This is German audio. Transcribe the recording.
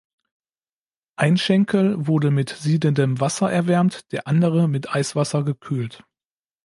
Ein Schenkel wurde mit siedendem Wasser erwärmt, der andere mit Eiswasser gekühlt.